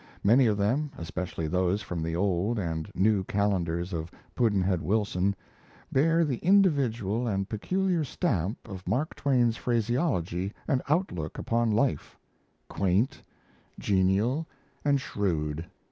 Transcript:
Many of them, especially those from the old and new calendars of Pudd'nhead Wilson, bear the individual and peculiar stamp of Mark Twain's phraseology and outlook upon life quaint, genial, and shrewd.